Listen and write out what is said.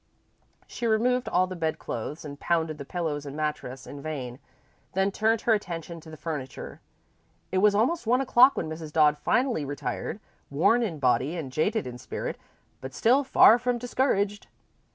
She removed all the bedclothes and pounded the pillows and mattress in vain, then turned her attention to the furniture. It was almost one o'clock when Mrs. Dodd finally retired, worn in body and jaded in spirit, but still far from discouraged.